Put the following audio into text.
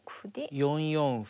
４四歩。